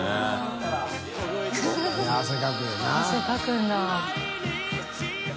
汗かくんだ。